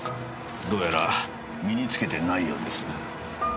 どうやら身につけてないようです。